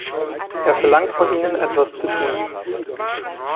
Er verlangt von Ihnen, etwas zu tun.